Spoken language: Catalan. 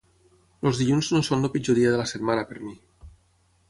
Els dilluns no són el pitjor dia de la setmana per mi.